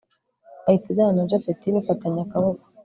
ahita ajyana na japhet bafatanye akaboko